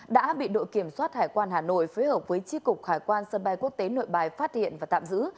đã bị đội kiểm soát hải quan hà nội phối hợp với tri cục hải quan sân bay quốc tế nội bài phát hiện và tạm giữ